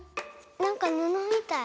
なんかぬのみたい。